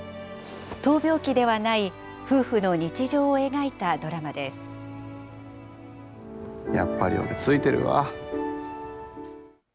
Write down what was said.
闘病記ではない、夫婦の日常を描やっぱり俺ついてるわ。